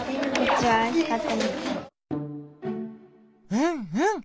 うんうん。